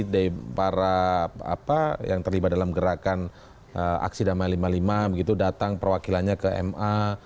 dari para apa yang terlibat dalam gerakan aksi damai lima puluh lima begitu datang perwakilannya ke ma